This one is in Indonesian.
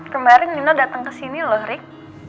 kemarin nino datang ke sini loh rik